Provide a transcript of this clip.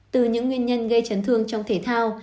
từ những nguyên nhân gây chấn thương trong thể thao